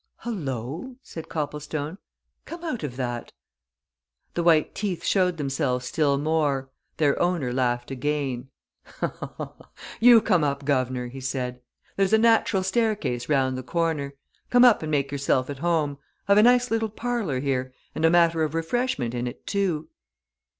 "Hullo!" said Copplestone. "Come out of that!" The white teeth showed themselves still more; their owner laughed again. "You come up, guv'nor," he said. "There's a natural staircase round the corner. Come up and make yourself at home. I've a nice little parlour here, and a matter of refreshment in it, too."